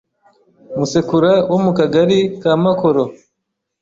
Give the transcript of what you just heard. Musekura wo mu Kagari ka Makoro